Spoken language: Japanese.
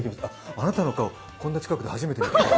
あなたの顔、こんな近くで初めて見た。